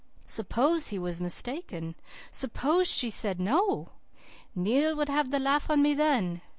SUPPOSE he was mistaken. SUPPOSE she said 'no!' "'Neil would have the laugh on me then.